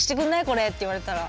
これ」って言われたら。